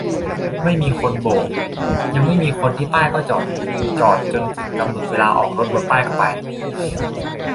ไม่มีคนโบก-ยังไม่มีคนที่ป้ายก็จอด จอดจนถึงกำหนดเวลาออกรถบนป้ายก็ไป